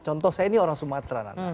contoh saya ini orang sumatera nana